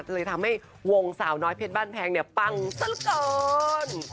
เลยทำให้วงสาวน้อยเพชรบ้านแพงเนี่ยปังซะก่อน